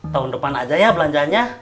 tahun depan aja ya belanjanya